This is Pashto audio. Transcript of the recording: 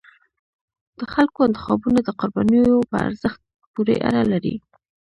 د خلکو انتخابونه د قربانیو په ارزښت پورې اړه لري